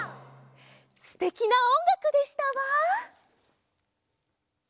すてきなおんがくでしたわ。